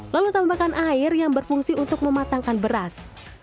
lalu tambahkan air yang berfungsi untuk mematangkan beras